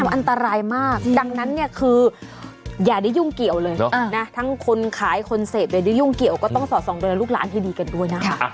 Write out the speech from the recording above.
อันตรายมากดังนั้นเนี่ยคืออย่าได้ยุ่งเกี่ยวเลยนะทั้งคนขายคนเสพหรือได้ยุ่งเกี่ยวก็ต้องสอดส่องดูแลลูกหลานให้ดีกันด้วยนะคะ